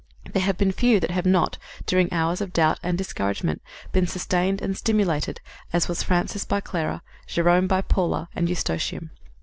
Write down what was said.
There have been few that have not, during hours of doubt and discouragement, been sustained and stimulated as was Francis by Clara, and Jerome by Paula and Eustochium.